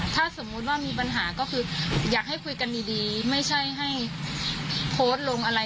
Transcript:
ถ้าสมมุติว่ามีปัญหาก็คืออยากให้คุยกันดีไม่ใช่ให้โพสต์ลงอะไร